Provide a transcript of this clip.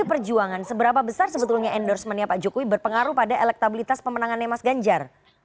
pdi perjuangan seberapa besar sebetulnya endorsementnya pak jokowi berpengaruh pada elektabilitas pemenangannya mas ganjar